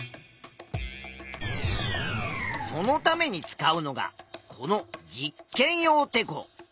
そのために使うのがこの「実験用てこ」。